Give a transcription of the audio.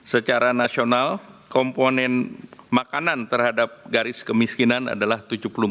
secara nasional komponen makanan terhadap garis kemiskinan adalah tujuh puluh empat